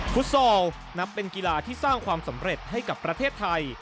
ฟุตซอลนับเป็นกีฬาที่สร้างความสำเร็จให้กับประเทศไทย